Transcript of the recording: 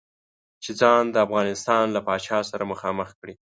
چې ځان د افغانستان له پاچا سره مخامخ کړي.